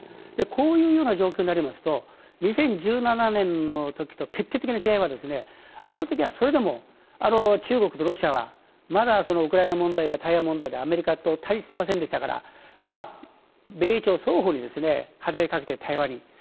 こういうような状況になりますと２０１７年のときとの決定的な違いはあの時はそれでも中国とロシアはまだウクライナ問題や台湾問題でアメリカと対立していませんでしたから、米朝双方に働きかけて、対話に。